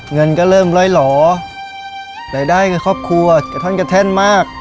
เงินก็เริ่มล่อยหล่อรายได้กับครอบครัวกระท่อนกระแท่นมาก